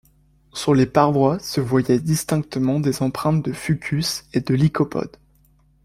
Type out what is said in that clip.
Sur les parois se voyaient distinctement des empreintes de fucus et de lycopodes.